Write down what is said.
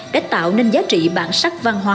đã tạo nên giá trị bản sắc văn hóa